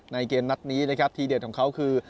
ในเกมนัดนี้ทีเด็ดของเขาคือ